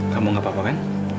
kamu gak apa apa kan